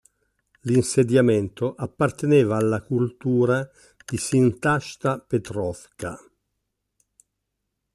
L'insediamento apparteneva alla cultura di Sintashta-Petrovka.